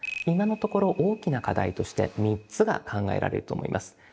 今のところ大きな課題として３つが考えられると思います。